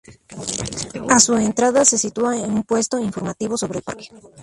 A su entrada se sitúa un puesto informativo sobre el parque.